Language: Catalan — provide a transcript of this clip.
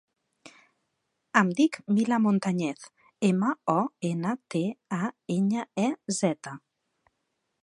Em dic Mila Montañez: ema, o, ena, te, a, enya, e, zeta.